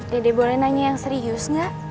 dede boleh nanya yang serius nggak